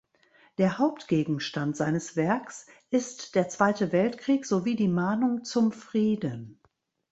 Der Hauptgegenstand seines Werks ist der Zweite Weltkrieg sowie die Mahnung zum Frieden.